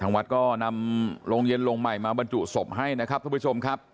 วัดก็นำโรงเย็นโรงใหม่มาบรรจุศพให้นะครับทุกผู้ชมครับ